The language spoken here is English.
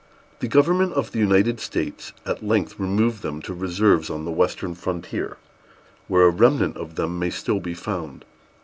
The government of the United States at length removed them to reserves on the western frontier, where a remnant of them may still be found.